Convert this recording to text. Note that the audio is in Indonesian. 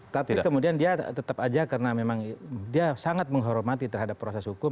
tapi kemudian dia tetap aja karena memang dia sangat menghormati terhadap proses hukum